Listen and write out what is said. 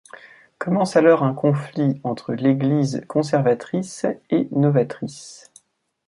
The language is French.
Commence alors un conflit entre l'église conservatrice et novatrice.